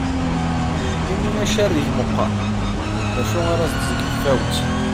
Imi acerrig meqqaṛ, d acu ar as-d-teg tfawett?